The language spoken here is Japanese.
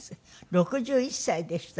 ６１歳でした。